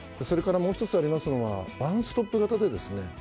それからもう一つありますのはワンストップ型でですね